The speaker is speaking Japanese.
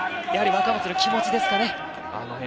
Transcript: やはり若松の気持ちですかね。